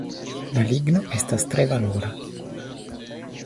La ligno estas tre valora.